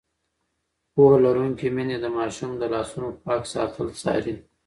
پوهه لرونکې میندې د ماشومانو د لاسونو پاک ساتل څاري.